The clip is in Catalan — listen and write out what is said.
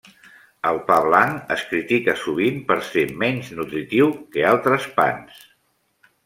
El pa blanc es critica sovint per ser menys nutritiu que altres pans.